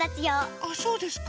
ああそうですか。